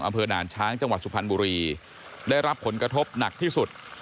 อำเภอด่านช้างจังหวัดสุพรรณบุรีได้รับผลกระทบหนักที่สุด